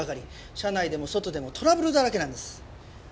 社内でも外でもトラブルだらけなんです。